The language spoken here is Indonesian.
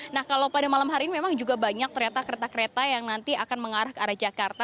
nah kalau pada malam hari ini memang juga banyak ternyata kereta kereta yang nanti akan mengarah ke arah jakarta